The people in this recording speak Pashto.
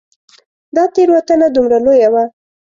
دا تېروتنه دومره لویه وه.